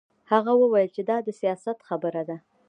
هغه وویل چې دا د سیاست خبره ده